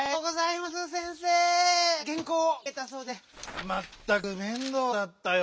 まったく面倒だったよ。